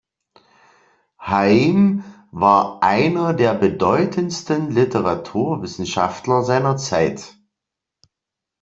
Haym war einer der bedeutendsten Literaturwissenschaftler seiner Zeit.